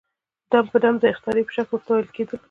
دم په دم د اخطارې په شکل ورته وويل کېدل.